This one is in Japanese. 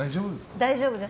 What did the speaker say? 大丈夫です。